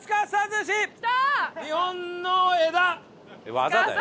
技だよ。